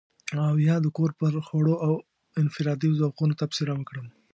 او يا د کور پر خوړو او انفرادي ذوقونو تبصره وکړم.